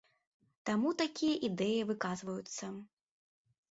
Таму такія ідэі выказваюцца.